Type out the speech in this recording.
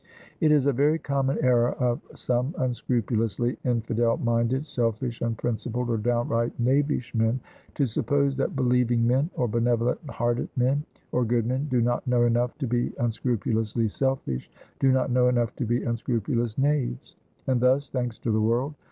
It is a very common error of some unscrupulously infidel minded, selfish, unprincipled, or downright knavish men, to suppose that believing men, or benevolent hearted men, or good men, do not know enough to be unscrupulously selfish, do not know enough to be unscrupulous knaves. And thus thanks to the world!